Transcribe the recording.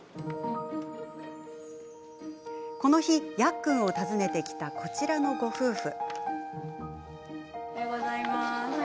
この日、やっくんを訪ねてきたこちらのご夫婦。